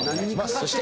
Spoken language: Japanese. そして。